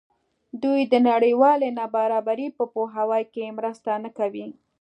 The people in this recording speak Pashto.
دوی د نړیوالې نابرابرۍ په پوهاوي کې مرسته نه کوي.